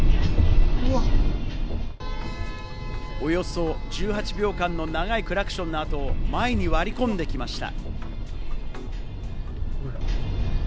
およそ１８秒間の長いクラクションのあと、前に割り込んできました。